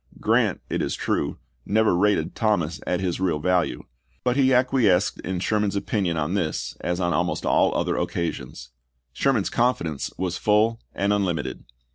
Grant, it is true, never rated Thomas at his real value ; but he acquiesced in Sherman's opinion on this as on almost all other occasions. Sherman's confidence was full and unlimited.